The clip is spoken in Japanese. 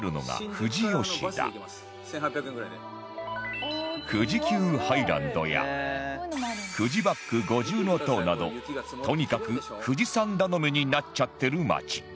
富士急ハイランドや富士バック五重塔などとにかく富士山頼みになっちゃってる街